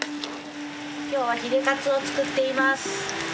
今日はヒレカツを作っています。